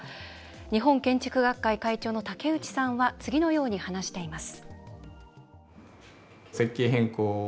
日本建築学会会長の竹内さんは次のように話しています。